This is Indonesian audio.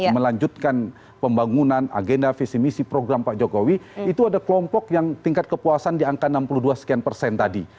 melanjutkan pembangunan agenda visi misi program pak jokowi itu ada kelompok yang tingkat kepuasan di angka enam puluh dua sekian persen tadi